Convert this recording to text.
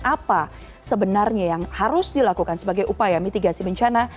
apa sebenarnya yang harus dilakukan sebagai upaya mitigasi bencana